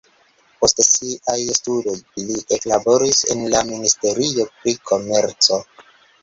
Post siaj studoj li eklaboris en la ministerio pri komerco.